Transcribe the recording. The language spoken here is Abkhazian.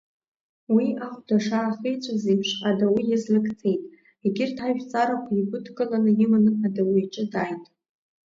Уи ахәда шаахиҵәаз еиԥш адау излак цеит, егьырҭ ажәҵарақәа игәыдкыланы иманы адау иҿы дааит.